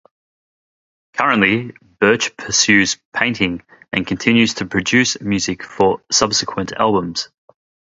Currently, Birch pursues painting, and continues to produce music for subsequent albums.